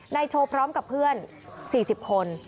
โชว์พร้อมกับเพื่อน๔๐คน